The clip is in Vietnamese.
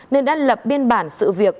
nên đã lập biên bản sự việc